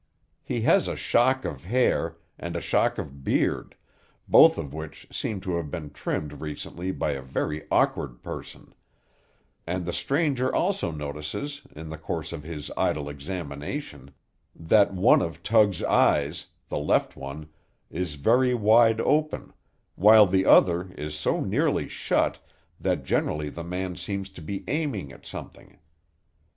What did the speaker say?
He has a shock of hair, and a shock of beard, both of which seem to have been trimmed recently by a very awkward person; and the stranger also notices, in the course of his idle examination, that one of Tug's eyes, the left one, is very wide open, while the other is so nearly shut that generally the man seems to be aiming at something.